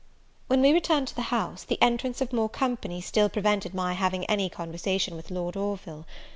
When we returned to the house, the entrance of more company still prevented my having any conversation with Lord Orville.